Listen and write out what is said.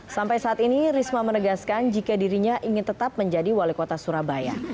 sampai saat ini risma menegaskan jika dirinya ingin tetap menjadi wali kota surabaya